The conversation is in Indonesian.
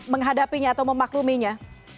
menghadapinya atau memakluminya